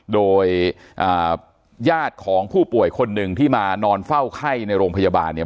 โดยญาติของผู้ป่วยคนหนึ่งที่มานอนเฝ้าไข้ในโรงพยาบาลเนี่ย